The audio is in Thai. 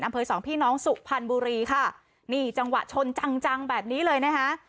สองพี่น้องสุพรรณบุรีค่ะนี่จังหวะชนจังจังแบบนี้เลยนะคะ